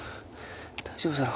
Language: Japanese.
大丈夫だろ。